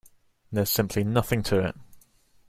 There's simply nothing to it.